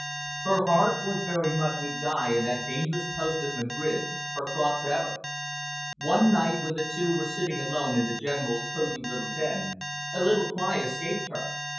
Her heart was very much with Guy in that dangerous post at Madrid, her thoughts ever. One night when the two were sitting alone in the General's cosy little den, a little cry escaped her.